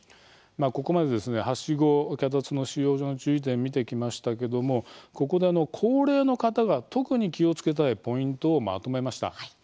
ここまではしご、脚立の使用上の注意点を見てきましたけどもここで高齢の方が特に気をつけたいポイントをまとめました。